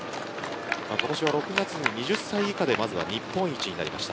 今年は６月に２０歳以下で日本一になりました。